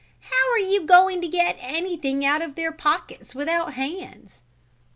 "How are you going to get anything out of their pockets without hands?"